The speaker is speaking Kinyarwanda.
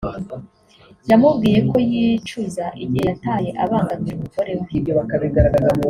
yamubwiye ko yicuza igihe yataye abangamira umugore we